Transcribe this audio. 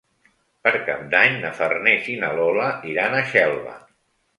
Per Cap d'Any na Farners i na Lola iran a Xelva.